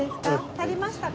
足りましたか？